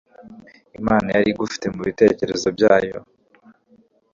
imana yari igufite mu bitekerezo byayo